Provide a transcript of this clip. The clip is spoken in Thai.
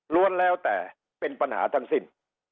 ้วนแล้วแต่เป็นปัญหาทั้งสิ้น